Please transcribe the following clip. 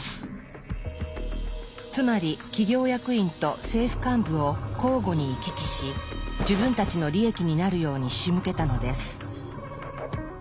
つまり企業役員と政府幹部を交互に行き来し自分たちの利益になるようにしむけたのです。